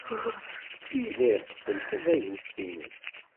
Yella iqeffel tabagust-nnes.